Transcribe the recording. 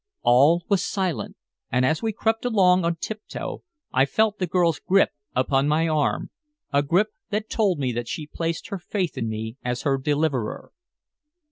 All was silent, and as we crept along on tiptoe I felt the girl's grip upon my arm, a grip that told me that she placed her faith in me as her deliverer.